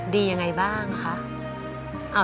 ดียังไงบ้างคะ